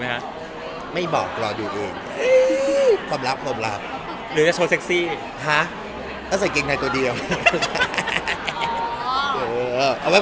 อะไรเราเข้านั่งที่นี่ด้วย